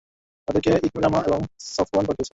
তাদেরকে ইকরামা এবং সফওয়ান পাঠিয়েছে।